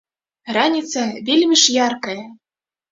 Раніца вельмі ж яркая.